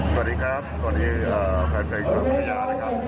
สวัสดีครับสวัสดีแฟนข่าวของพันธุ์ยานะครับ